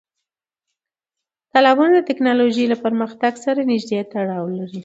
تالابونه د تکنالوژۍ له پرمختګ سره نږدې تړاو لري.